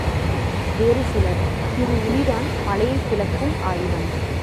வேறு சிலர், சிறு உளிதான் மலையைப் பிளக்கும் ஆயுதம்!